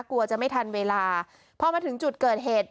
กลัวจะไม่ทันเวลาพอมาถึงจุดเกิดเหตุ